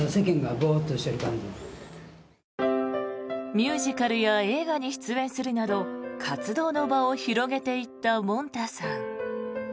ミュージカルや映画に出演するなど活動の場を広げていったもんたさん。